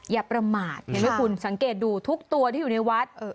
อย่าประมาทเห็นไหมคุณสังเกตดูทุกตัวที่อยู่ในวัด